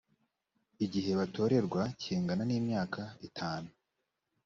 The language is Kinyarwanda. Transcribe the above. igihe batorerwa kingana n’ imyaka itanu